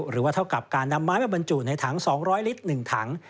หรือว่าเท่ากับการนำไม้มาบรรจุในถัง๒๐๐ลิตร๑ถัง